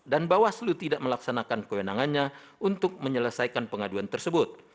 dan bahwa selu tidak melaksanakan kewenangannya untuk menyelesaikan pengaduan tersebut